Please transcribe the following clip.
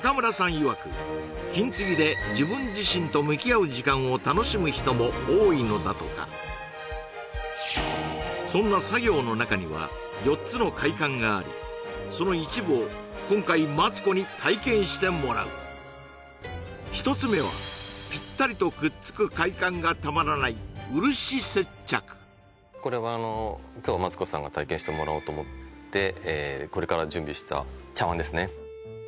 いわく金継ぎで自分自身と向き合う時間を楽しむ人も多いのだとかそんな作業の中には４つの快感がありその一部を今回マツコに体験してもらう１つ目はこれは今日マツコさんが体験してもらおうと思ってこれから準備した茶碗ですね